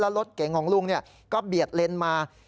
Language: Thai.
และรถเก่งของลุงก็เบียดเลนส์มา